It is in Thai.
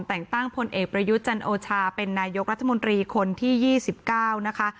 แต่งตั้งพลเอกประยุทธ์จันโอชาเป็นนายกรัฐมนตรีคนที่๒๙นะคะ